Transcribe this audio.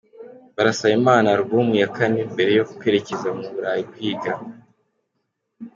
Barasaba Imana alubumu ya kane mbere yo kwerekeza mu Burayi kwiga